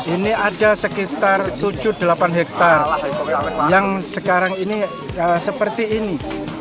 ini ada sekitar tujuh delapan hektare yang sekarang ini seperti ini